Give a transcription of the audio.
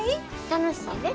楽しいで。